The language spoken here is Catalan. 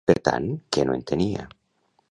Per tant, què no entenia?